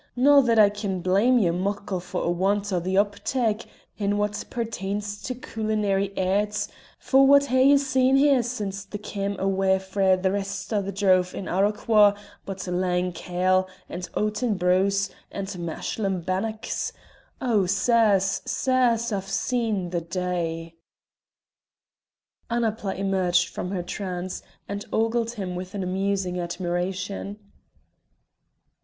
No' that I can blame ye muckle for a want o' the up tak in what pertains to culinairy airts; for what hae ye seen here since ye cam' awa frae the rest o' the drove in Arroquhar but lang kail, and oaten brose, and mashlum bannocks? Oh! sirs, sirs! I've seen the day!" Annapla emerged from her trance, and ogled him with an amusing admiration.